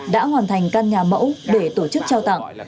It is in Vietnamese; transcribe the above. đã hoàn thành căn nhà mẫu để tổ chức trao tặng